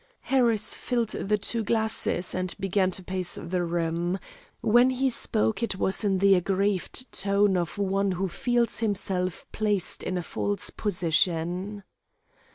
Harris filled the two glasses, and began to pace the room. When he spoke it was in the aggrieved tone of one who feels himself placed in a false position.